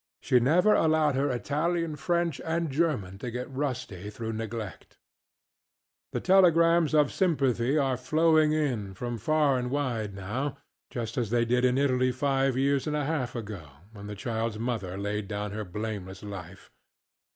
She never allowed her Italian, French, and German to get rusty through neglect. The telegrams of sympathy are flowing in, from far and wide, now, just as they did in Italy five years and a half ago, when this childŌĆÖs mother laid down her blameless life.